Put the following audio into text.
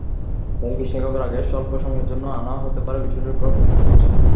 তবে বিশ্বকাপের আগে স্বল্প সময়ের জন্য আনা হতে পারে বিশেষজ্ঞ ফিল্ডিং কোচ।